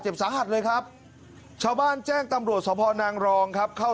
สาหัสเลยครับชาวบ้านแจ้งตำรวจสภนางรองครับเข้า